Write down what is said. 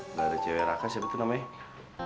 udah ada cewek raka siapa tuh namanya